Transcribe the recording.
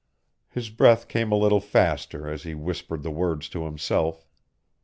His breath came a little faster as he whispered the words to himself.